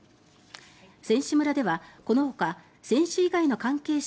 選手村ではこのほか選手以外の関係者